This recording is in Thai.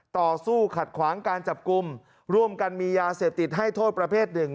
ต่อสู้ขัดขวางการจับกลุ่มร่วมกันมียาเสพติดให้โทษประเภทหนึ่ง